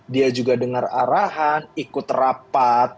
dia juga dengar arahan ikut rapat